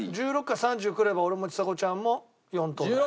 １６か３０くれば俺もちさ子ちゃんも４等だよ。